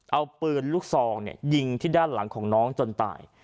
เอาปืนลูกซองยิงที่ด้านหลังของน้องจนตาย